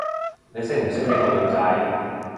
你識唔識呢個女仔？